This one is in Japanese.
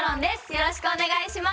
よろしくお願いします。